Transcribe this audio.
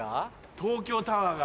東京タワーが。